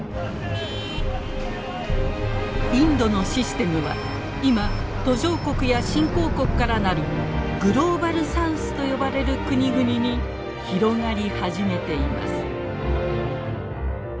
インドのシステムは今途上国や新興国から成るグローバル・サウスと呼ばれる国々に広がり始めています。